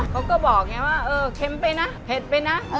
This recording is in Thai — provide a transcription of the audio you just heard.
เค้าก็บอกแบบเออเค็มไปน่ะเผ็ดไปน่ะไม่อร่อยนะ